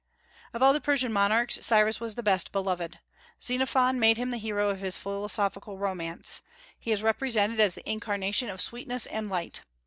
Of all the Persian monarchs Cyrus was the best beloved. Xenophon made him the hero of his philosophical romance. He is represented as the incarnation of "sweetness and light."